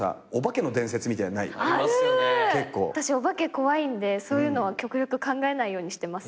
私お化け怖いんでそういうのは極力考えないようにしてます。